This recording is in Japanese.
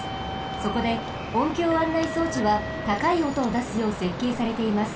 そこで音響案内装置はたかいおとをだすようせっけいされています。